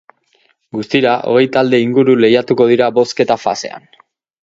Guztira, hogei talde inguru lehiatuko dira bozketa-fasean.